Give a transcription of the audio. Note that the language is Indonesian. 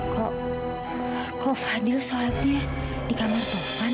kok fadl sholatnya di kamar tuhan